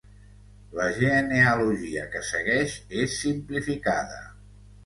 La genealogia que segueix és simplificada.